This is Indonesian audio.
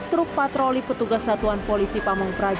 truk patroli petugas satuan polisi pamung praja